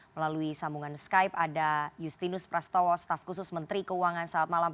melalui sambungan skype ada yustinus prastowo staf khusus menteri keuangan